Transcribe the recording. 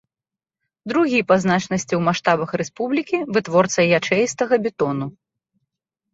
Другі па значнасці ў маштабах рэспублікі вытворца ячэістага бетону.